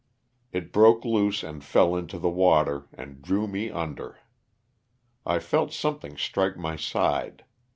It broke loose and fell into the water and drew me under. I felt something strike my side.